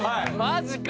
マジか。